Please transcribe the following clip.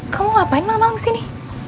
kamu ngapain malem malem disini